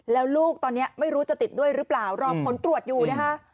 แล้วลูกตอนนี้ไม่รู้จะติดด้วยหรือเปล่ารอผลตรวจอยู่นะคะ